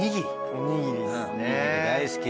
おにぎり大好き。